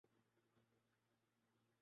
ان کا گلیمر بھی زوال پذیر ہے۔